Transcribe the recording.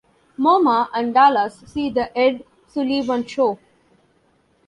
Momma and Dallas see the Ed Sullivan show!